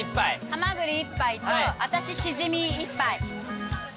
ハマグリ１杯と私しじみ１杯。